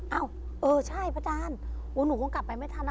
เอ้าเออใช่พระอาจารย์โอ้หนูคงกลับไปไม่ทันแล้ว